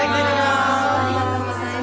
ありがとうございます！